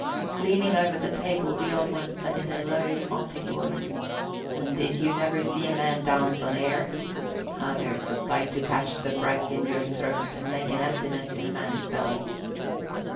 Leaning over the table, the Old One said in a low, taunting voice, "And did you never see a man dance on air? Ah, there's a sight to catch the breath in your throat and make an emptiness in a man's belly!"